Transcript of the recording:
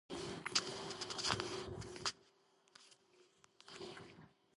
დაიღუპა სოფელ ცხრაწყაროსთან გენერალ როზენის ჯარებთან შეტაკების დროს.